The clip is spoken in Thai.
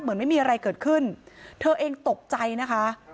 เหมือนไม่มีอะไรเกิดขึ้นเธอเองตกใจนะคะ